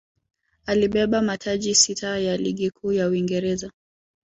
alibeba mataji sita ya ligi kuu ya Uingereza